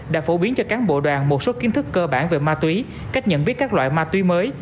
đã phổ biến cho cán bộ đoàn một số kiến thức cơ bản về ma túy cách nhận biết các loại ma túy mới